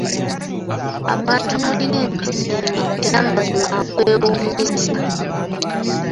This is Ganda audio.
Abantu mulina empisa embi! Era mazima nkwewuunyizza!